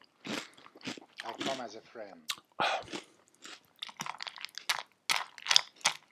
I come as a friend.